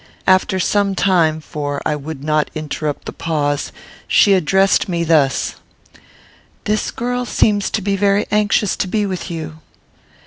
After some time, (for I would not interrupt the pause,) she addressed me thus: "This girl seems to be very anxious to be with you."